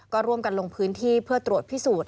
ก็ร่วมกันลงพื้นที่เพื่อตรวจพิสูจน์